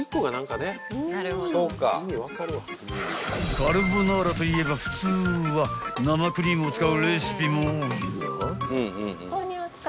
［カルボナーラといえば普通は生クリームを使うレシピも多いが］